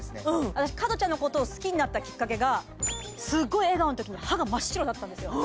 私加トちゃんのことを好きになったきっかけがすっごい笑顔の時に歯が真っ白だったんですよ